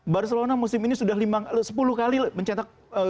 barcelona musim ini sudah sepuluh kali mencetak